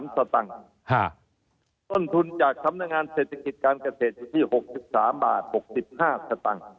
สตังค์ต้นทุนจากสำนักงานเศรษฐกิจการเกษตรอยู่ที่๖๓บาท๖๕สตังค์